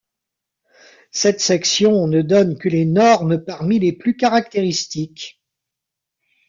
Cette section ne donne que les normes parmi les plus caractéristiques.